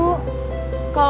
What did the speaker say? mau tapi gak pacaran dulu